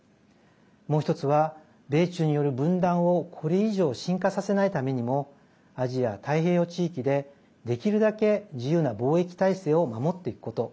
もう１つは米中による分断をこれ以上、深化させないためにもアジア太平洋地域で、できるだけ自由な貿易体制を守っていくこと。